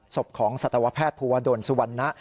ศพของสัตวแพทย์ภูวดลสุวรรณะ